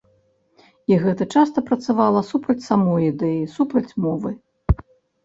І гэта часта працавала супраць самой ідэі, супраць мовы.